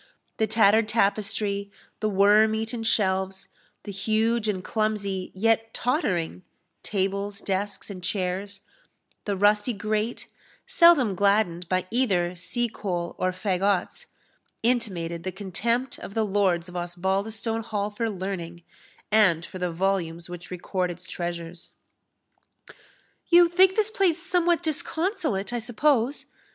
The tattered tapestry, the worm eaten shelves, the huge and clumsy, yet tottering, tables, desks, and chairs, the rusty grate, seldom gladdened by either sea coal or faggots, intimated the contempt of the lords of Osbaldistone Hall for learning, and for the volumes which record its treasures. "You think this place somewhat disconsolate, I suppose?"